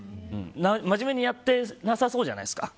まじめにやってなさそうじゃないですか。